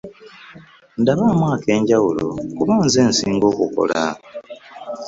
Ndabaamu ak'enjawulo kuba nze nsinga okukola.